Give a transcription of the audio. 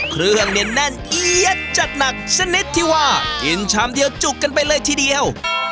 เครื่องเนี่ยแน่นเอี๊ยดจัดหนักชนิดที่ว่ากินชามเดียวจุกกันไปเลยทีเดียว